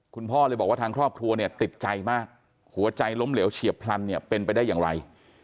คุณพ่อเลยบอกว่าทางครอบครัวเนี่ยติดใจมากหัวใจล้มเหลวเฉียบพลันเนี่ยเป็นไปได้อย่างไร